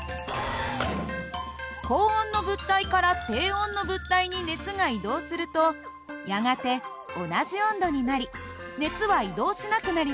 高温の物体から低温の物体に熱が移動するとやがて同じ温度になり熱は移動しなくなります。